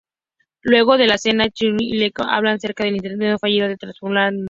Luego de la cena, Starling y Lecter hablan acerca del intento fallido de transformarla.